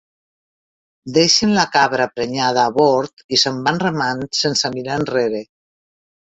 Deixen la cabra prenyada a bord i se'n van remant sense mirar enrere.